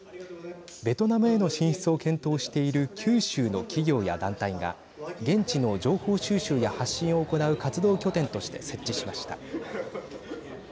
ベトナムへの進出を検討している九州の企業や団体が現地の情報収集や発信を行う活動拠点として設置しました。